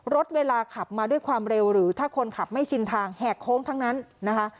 รถเวลาขับมาด้วยความเร็วหรือถ้าคนขับไม่ชินทางแหกโค้งทั้งนั้นนะคะ